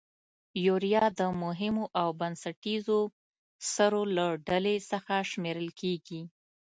یوریا د مهمو او بنسټیزو سرو له ډلې څخه شمیرل کیږي.